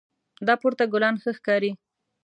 دا پورته ګلان ښه ښکاري